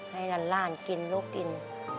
ให้หลานกินลูกกิน